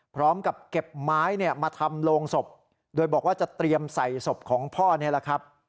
พร้อมกับเก็บไม้เนี่ยมาทำโรงศพโดยบอกว่าจะเตรียมใส่ศพของพ่อนี่แหละครับ